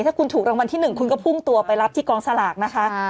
ถ้าคุณถูกรางวัลที่๑คุณก็พุ่งตัวไปรับที่กองสลากนะคะ